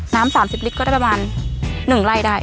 น้ำ๓๐ลิตรก็ได้ประมาณ๑ไร่ได้